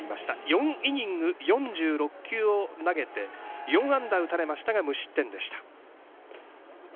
４イニング４６球を投げて４安打、打たれましたが無失点でした。